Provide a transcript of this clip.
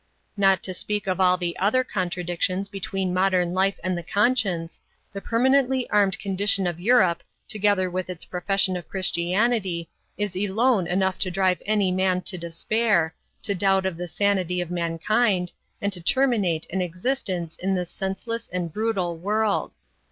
Not to speak of all the other contradictions between modern life and the conscience, the permanently armed condition of Europe together with its profession of Christianity is alone enough to drive any man to despair, to doubt of the sanity of mankind, and to terminate an existence in this senseless and brutal world.